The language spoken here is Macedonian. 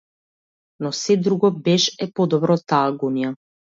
Но сѐ друго беш е подобро од таа агонија!